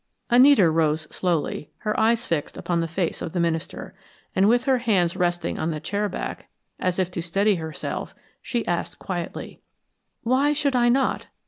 Anita rose slowly, her eyes fixed upon the face of the minister, and with her hands resting upon the chair back, as if to steady herself, she asked quietly: "Why should I not?